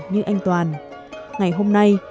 như anh toàn ngày hôm nay